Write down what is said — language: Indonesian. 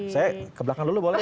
saya ke belakang dulu boleh